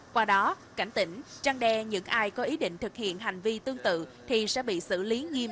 qua đó cảnh tỉnh trăng đe những ai có ý định thực hiện hành vi tương tự thì sẽ bị xử lý nghiêm